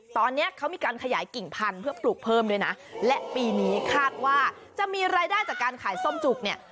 ตอนนี้เขามีการขยายกิ่งพันธุ์เพื่อปลูกเพิ่มด้วยนะและปีนี้คาดว่าจะมีรายได้จากการขายส้มจุกเนี่ย